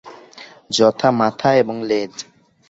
যথা- মাথা এবং লেজ।